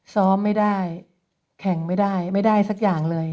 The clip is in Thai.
ซ้อมไม่ได้แข่งไม่ได้ไม่ได้สักอย่างเลย